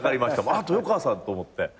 あっ豊川さんと思って。